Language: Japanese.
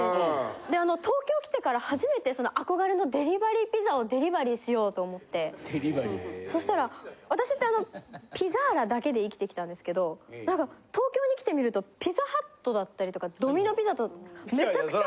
であの東京きてから初めて憧れのデリバリーピザをデリバリーしようと思ってそしたら私ってあのピザーラだけで生きてきたんですけどなんか東京に来てみるとピザハットだったりとかドミノ・ピザとめちゃくちゃ。